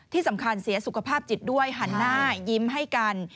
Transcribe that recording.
ที่สำคัญเสียสุขภาพจิตด้วยหันหน้ายิ้มให้กัน